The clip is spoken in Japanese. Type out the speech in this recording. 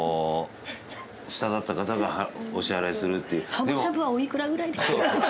鱧しゃぶはおいくらぐらいですか？